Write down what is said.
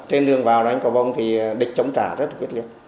trên đường vào đánh cò vông thì địch chống trả rất là quyết liệt